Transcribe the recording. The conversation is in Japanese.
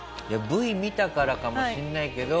Ｖ見たからかもしれないけど。